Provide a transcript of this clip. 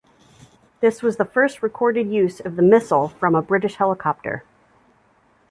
This was the first recorded use of the missile from a British helicopter.